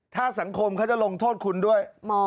ถ้าสังคมเขาจะลงโทษคุณด้วย